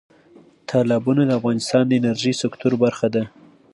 تالابونه د افغانستان د انرژۍ سکتور برخه ده.